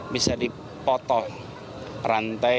bisa dipotong rantai